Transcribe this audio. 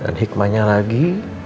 dan hikmahnya lagi